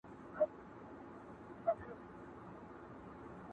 ورور له کلي لرې تللی دی،